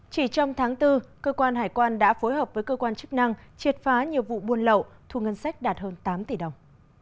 chỉ trong tháng bốn cơ quan hải quan đã phối hợp với cơ quan chức năng triệt phá nhiều vụ buôn lậu thu ngân sách đạt hơn tám tỷ đồng